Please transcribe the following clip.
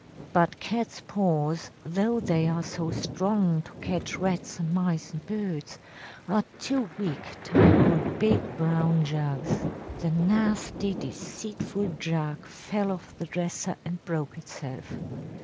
But cats' paws, though they are so strong to catch rats and mice and birds, are too weak to hold big brown jugs. The nasty deceitful jug fell off the dresser and broke itself.